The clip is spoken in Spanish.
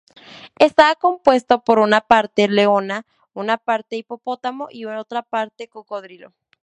Estaba compuesto por una parte leona, una parte hipopótamo y otra parte cocodrilo.